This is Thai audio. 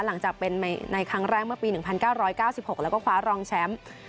หลังจากเป็นในครั้งแรกเมื่อปี๑๙๙๖แล้วก็คว้ารองแชมป์